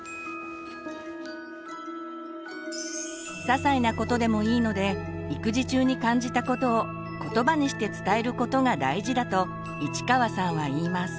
ささいなことでもいいので育児中に感じたことをことばにして伝えることが大事だと市川さんは言います。